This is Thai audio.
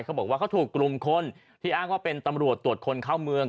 เขาบอกว่าเขาถูกกลุ่มคนที่อ้างว่าเป็นตำรวจตรวจคนเข้าเมือง